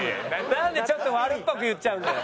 なんでちょっと悪っぽく言っちゃうんだよ。